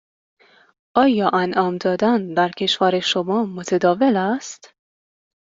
آیا انعام دادن در کشور شما متداول است؟